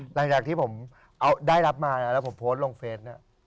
หลังจากที่ผมได้รับมานะแล้วผมโพสต์ลงเฟสเนี่ย